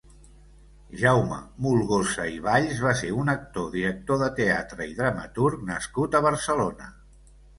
Jaume Molgosa i Valls va ser un actor, director de teatre i dramaturg nascut a Barcelona.